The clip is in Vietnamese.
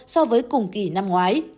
so với cùng kỳ năm ngoái